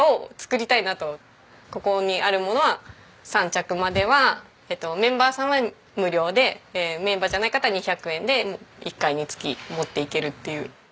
ここにあるものは３着まではメンバーさんは無料でメンバーじゃない方は２００円で１回につき持っていけるっていう。